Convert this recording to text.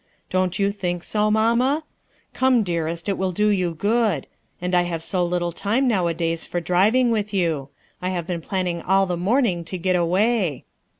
Don't yon think so, mamma ? Come dearest, it will do you good ; and I have so little time nowadays for driving with you. I have been planning all the morning to get away."